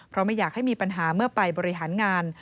เพราะไม่อยากให้มีปัญหาเมื่อไปบริหารงาน